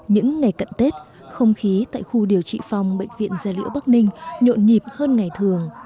những ngày cận tết không khí tại khu điều trị phong bệnh viện gia liễu bắc ninh nhộn nhịp hơn ngày thường